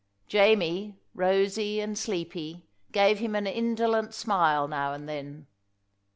Jamie, rosy and sleepy, gave him an indolent smile now and then.